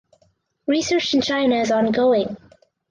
Research in China is ongoing.